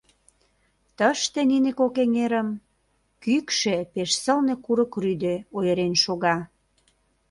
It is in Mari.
Тыште нине кок эҥерым кӱкшӧ пеш сылне курык рӱдӧ ойырен шога.